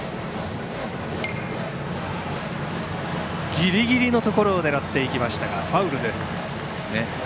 ギリギリのところを狙っていきましたがファウルです。